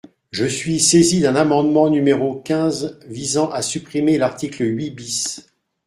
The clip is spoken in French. Je suis saisie d’un amendement numéro quinze visant à supprimer l’article huit bis.